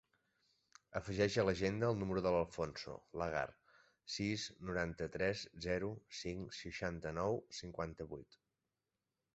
Afegeix a l'agenda el número de l'Alfonso Lagar: sis, noranta-tres, zero, cinc, seixanta-nou, cinquanta-vuit.